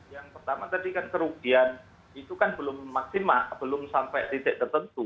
yang pertama tadi kan kerugian itu kan belum maksimal belum sampai titik tertentu